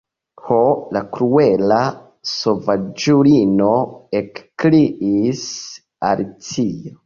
"Ho, la kruela sovaĝulino," ekkriis Alicio.